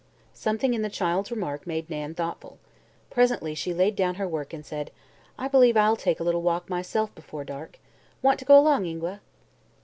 Something in the child's remark made Nan thoughtful. Presently she laid down her work and said: "I believe I'll take a little walk, myself, before dark. Want to go along, Ingua?"